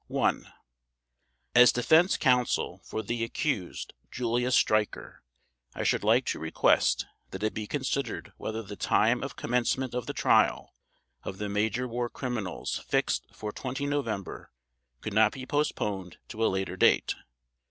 I As defense counsel for the accused Julius Streicher I should like to request that it be considered whether the time of commencement of the Trial of the major war criminals fixed for 20 November could not be postponed to a later date.